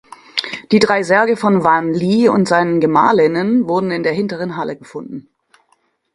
Die drei Särge von Wanli und seinen Gemahlinnen wurden in der hinteren Halle gefunden.